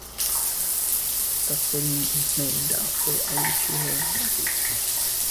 The city is named after Ali-Shir Nava'i.